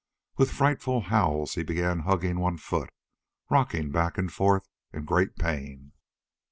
With frightful howls he began hugging one foot, rocking back and forth in great pain.